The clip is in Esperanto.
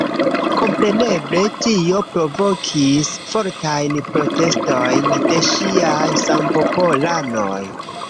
Kompreneble tio provokis fortajn protestojn de ŝiaj sampopolanoj.